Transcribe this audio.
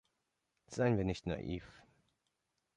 Seien wir nicht naiv.